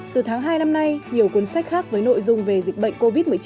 từ tháng hai năm nay nhiều cuốn sách khác với nội dung về dịch bệnh covid một mươi chín